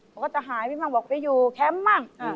เขาก็จะหายไปบ้างบอกไปอยู่แคมป์มั่ง